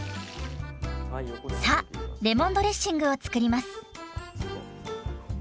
さあレモンドレッシングを作ります。